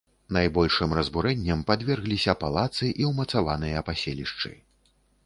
Найбольшым разбурэнням падвергліся палацы і ўмацаваныя паселішчы.